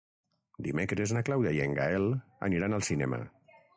Dimecres na Clàudia i en Gaël aniran al cinema.